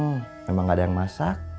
memang gak ada yang masak